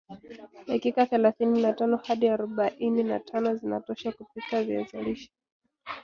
dakika thelathini na tano hadi arobaini na tano zinatosha kupika viazi lishe